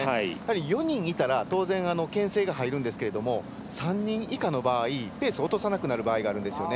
４人いたら、当然けん制が入るんですけど３人以下の場合ペースを落とさなくなる場合があるんですね。